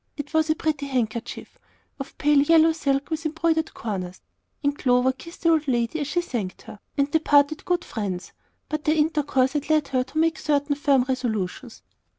It was a pretty handkerchief, of pale yellow silk with embroidered corners, and Clover kissed the old lady as she thanked her, and they parted good friends. But their intercourse had led her to make certain firm resolutions.